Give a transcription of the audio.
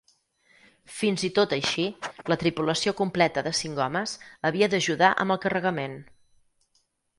Fins i tot així, la tripulació completa de cinc homes havia d'ajudar amb el carregament.